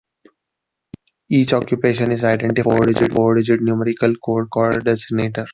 Each occupation is identified by a four digit numerical code, called a designator.